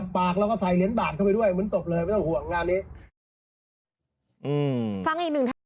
ปากเราก็ใส่เหรียญบาทเข้าไปด้วยเหมือนศพเลยไม่ต้องห่วงงานนี้